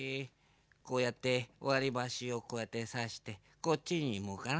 こうやってわりばしをこうやってさしてこっちにもかな。